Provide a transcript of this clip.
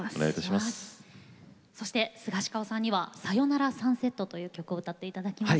そしてスガシカオさんには「さよならサンセット」という曲を歌って頂きます。